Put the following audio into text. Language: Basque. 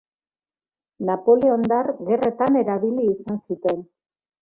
Napoleondar gerretan erabili izan zuten.